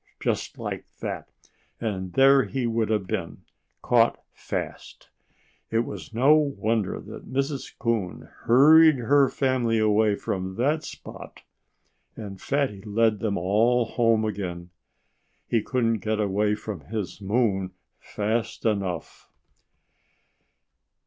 Just like that. And there he would have been, caught fast. It was no wonder that Mrs. Coon hurried her family away from that spot. And Fatty led them all home again. He couldn't get away from his moon fast enough.